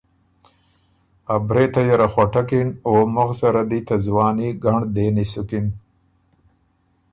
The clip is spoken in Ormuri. که ا برېتیه ره خؤټکِن او مُخ زره دی ته ځوانی ګںړ دېنی سُکِن۔